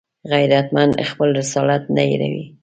غیرتمند خپل رسالت نه هېروي